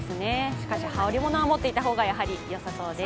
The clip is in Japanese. しかし、羽織り物がやはり持っておいた方がよさそうです。